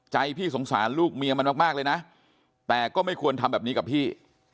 พี่สงสารลูกเมียมันมากเลยนะแต่ก็ไม่ควรทำแบบนี้กับพี่